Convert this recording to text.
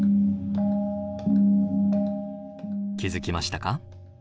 気付きましたか？